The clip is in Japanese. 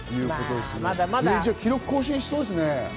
記録を更新しそうですね。